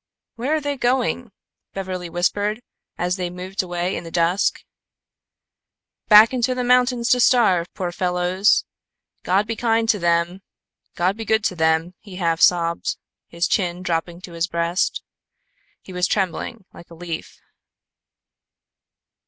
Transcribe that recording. "Where are they going?" Beverly whispered, as they moved away in the dusk. "Back into the mountains to starve, poor fellows. God be kind to them, God be good to them," he half sobbed, his chin dropping to his breast. He was trembling like a leaf.